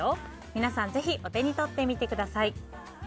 皆さん、ぜひお手に取ってみてください。